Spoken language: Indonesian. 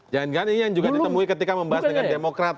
jangan jangan ini yang juga ditemui ketika membahas dengan demokrat